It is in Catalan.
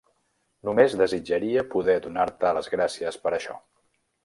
Només desitjaria poder donar-te les gràcies per això.